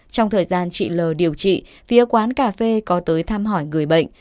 trong thời gian chị l điều trị phía quán cà phê có tới thăm hỏi người bệnh